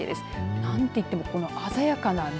何といってもこの鮮やかな緑。